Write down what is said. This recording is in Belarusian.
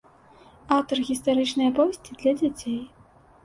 Аўтар гістарычнай аповесці для дзяцей.